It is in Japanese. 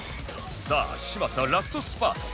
さあ嶋佐ラストスパート